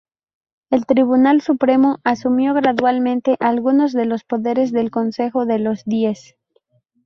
El Tribunal Supremo asumió gradualmente alguno de los poderes del Consejo de los Diez.